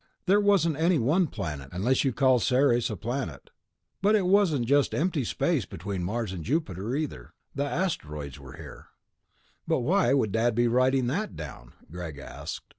There wasn't any one planet, unless you'd call Ceres a planet, but it wasn't just empty space between Mars and Jupiter either. The asteroids were here." "But why would Dad be writing that down?" Greg asked.